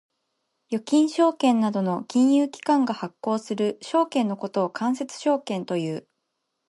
預金証券などの金融機関が発行する証券のことを間接証券という。